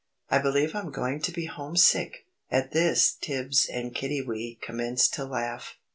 I believe I'm going to be homesick!" At this Tibbs and Kiddiwee commenced to laugh.